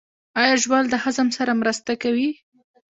ایا ژوول د هضم سره مرسته کوي؟